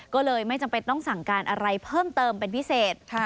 ก็เลยไม่จำเป็นต้องสั่งการอะไรเพิ่มเติมเป็นพิเศษ